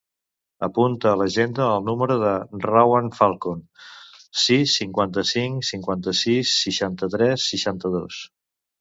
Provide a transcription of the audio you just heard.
Apunta a l'agenda el número de la Rawan Falcon: sis, cinquanta-cinc, cinquanta-sis, seixanta-tres, seixanta-dos.